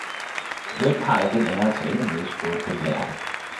Hvem har jeg den ære at tale med spurgte den lærde